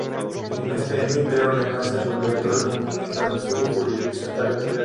Este ente emite ordenanzas de obligatorio cumplimiento en su jurisdicción territorial.